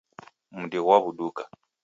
Mdi ghwawuduka